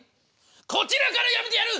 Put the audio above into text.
こちらからやめてやる！